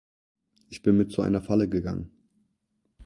Ich bin mit zu einer Falle gegangen.